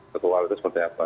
kegualian seperti apa